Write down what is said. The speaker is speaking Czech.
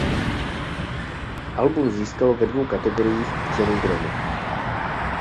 Album získalo ve dvou kategoriích Cenu Grammy.